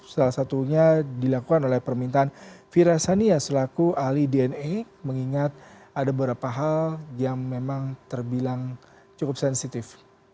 salah satunya dilakukan oleh permintaan fira sania selaku ahli dna mengingat ada beberapa hal yang memang terbilang cukup sensitif